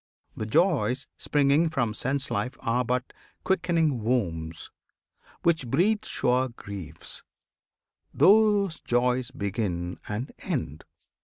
The joys Springing from sense life are but quickening wombs Which breed sure griefs: those joys begin and end!